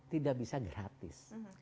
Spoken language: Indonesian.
tidak bisa gratis